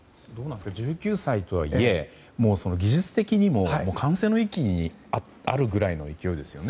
１９歳とはいえ技術的にも完成の域にあるぐらいの勢いですよね。